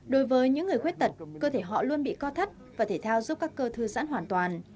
đối với những người khuyết tật cơ thể họ luôn bị co thắt và thể thao giúp các cơ thư giãn hoàn toàn